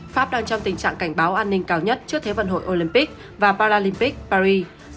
pháp đang trong tình trạng cảnh báo an ninh cao nhất trước thế vận hội olympic và palympic paris